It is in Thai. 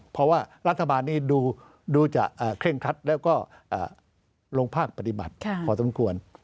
เพราะราธบาลนี้ดูจะเคร่งคลัดแล้วก็โรงภาคปฏิบัตรพอจำกวน